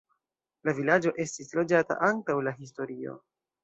La vilaĝo estis loĝata antaŭ la historio.